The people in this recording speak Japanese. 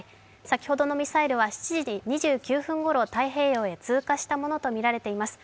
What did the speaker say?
先ほどのミサイルは７時２９分頃太平洋に通過したものとみられます。